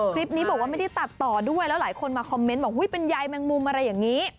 คลิปนี้บอกว่าไม่ได้ตัดต่อด้วยแล้วหลายคนมาคอมเมนต์บอกเป็นยายแมงมุมอะไรอย่างนี้